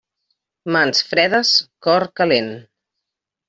Mans fredes, cor calent.